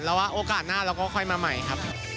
แล้วว่าโอกาสหน้าเราก็ค่อยมาใหม่ครับ